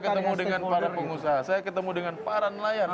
ketemu dengan para pengusaha saya ketemu dengan para nelayan